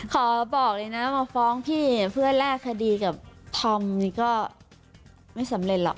ขอบอกเลยนะมาฟ้องพี่เพื่อแลกคดีกับธอมนี่ก็ไม่สำเร็จหรอก